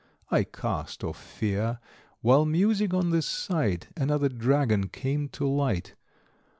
I cast off fear. While musing on this sight, Another Dragon came to light.